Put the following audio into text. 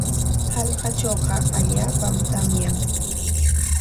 Hallqatrawqa allaapam tamyan.